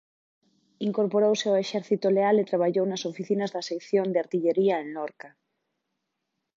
Incorporouse ao exército leal e traballou nas oficinas da sección de artillería en Lorca.